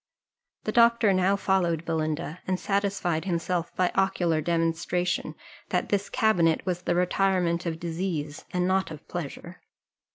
The doctor now followed Belinda, and satisfied himself by ocular demonstration, that this cabinet was the retirement of disease, and not of pleasure.